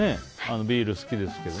ビール好きですけどね。